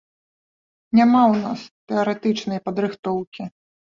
Няма ў нас тэарэтычнай падрыхтоўкі.